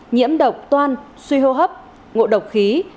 nhiễm độc toan suy hô hấp ngộ độc khí